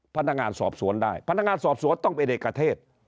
พนักงานสอบสวนได้พนักงานสอบสวนต้องเป็นเอกเทศ